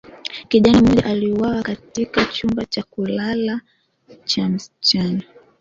kijana mmoja aliuawa katika chumba cha kulala cha msichana